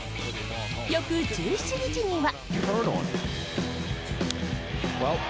翌１７日には。